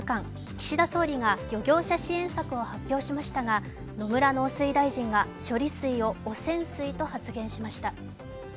岸田総理が漁業者支援策を発表しましたが野村農水大臣が処理水を汚染水と発言しました。